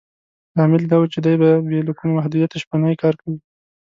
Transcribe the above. لامل یې دا و چې دې به بې له کوم محدودیته شپنی کار کاوه.